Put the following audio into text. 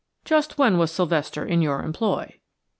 "Just when was Sylvester in your employ?"